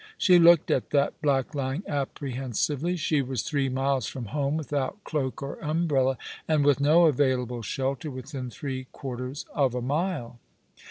She looked at that black line apprehensively. She was three miles from home, without cloak or umbrella, and with no available shelter within three quarters of a mile.